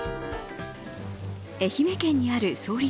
愛媛県にある創立